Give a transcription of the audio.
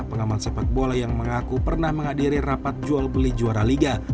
pengaman sepak bola yang mengaku pernah menghadiri rapat jual beli juara liga